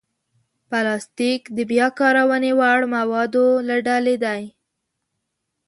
پلاستيک د بیا کارونې وړ موادو له ډلې دی.